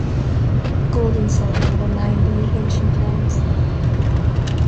Gold and silver were mined in the ancient times.